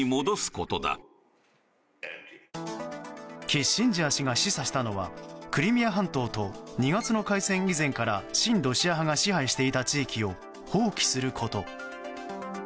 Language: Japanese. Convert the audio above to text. キッシンジャー氏が示唆したのはクリミア半島と２月の開戦以前から親ロシア派が支配していた地域を放棄すること。